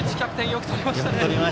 よくとりましたね。